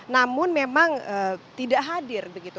namun memang tidak hadir begitu